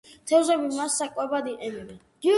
თევზები მას საკვებად იყენებენ.